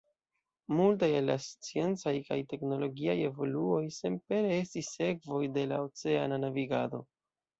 Multaj el la sciencaj kaj teknologiaj evoluoj senpere estis sekvoj de la oceana navigado.